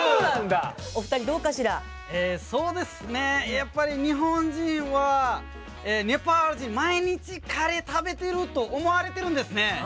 やっぱり日本人はネパール人毎日カレー食べてると思われてるんですね。